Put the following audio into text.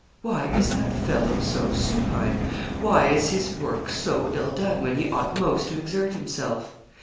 Why is that fellow so supine? Why is his work so ill done, when he ought most to exert himself?